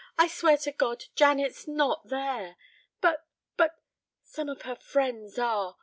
I swear to God Janet's not there. But but some of her friends are.